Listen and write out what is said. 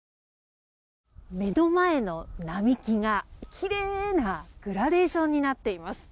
目の前の並木がきれいなグラデーションになっています。